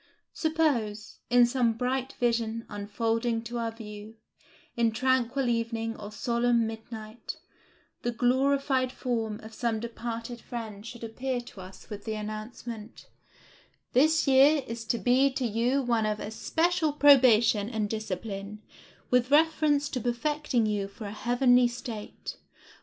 Suppose, in some bright vision unfolding to our view, in tranquil evening or solemn midnight, the glorified form of some departed friend should appear to us with the announcement, "This year is to be to you one of especial probation and discipline, with reference to perfecting you for a heavenly state.